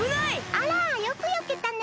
あらよくよけたね。